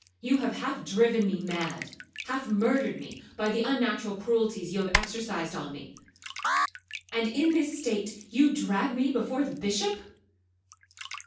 You have half driven me mad!—half murdered me, by the unnatural cruelties you have exercised on me!—and in this state you drag me before the Bishop!